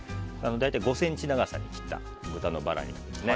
５ｃｍの長さに切った豚のバラ肉ですね。